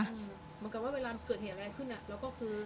เหมือนกับว่าเวลาเกิดเหตุอะไรขึ้นเราก็คือ